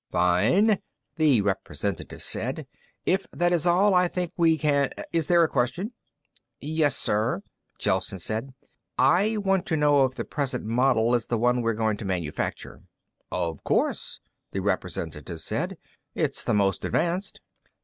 "Fine," the representative said. "If that is all, I think we can is there a question?" "Yes, sir," Gelsen said. "I want to know if the present model is the one we are going to manufacture." "Of course," the representative said. "It's the most advanced."